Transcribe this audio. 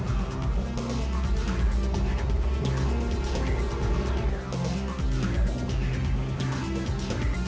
aku diselinga marysong jahat pak